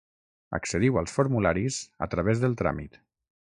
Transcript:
Accediu als formularis a través del tràmit.